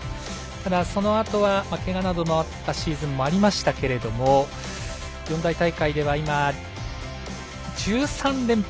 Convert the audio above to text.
ただ、そのあとはけがなどのあったシーズンもありましたけれども四大大会では今、１３連敗。